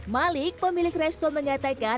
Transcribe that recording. malik pemilik restoran mengatakan